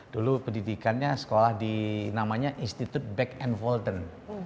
dulu pendidikannya sekolah di namanya institute beck and walden